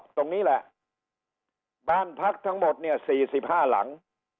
ตรงนี้แหละบ้านพักทั้งหมดเนี่ย๔๕หลัง